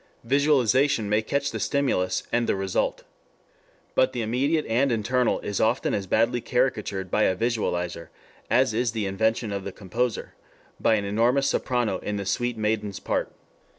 Visualization may catch the stimulus and the result. But the intermediate and internal is often as badly caricatured by a visualizer, as is the intention of the composer by an enormous soprano in the sweet maiden's part.